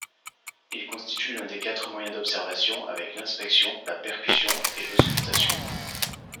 Il constitue l'un des quatre moyens d'observation avec l'inspection, la percussion et l'auscultation.